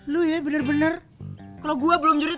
lu ya bener dua kalo gue belum jurit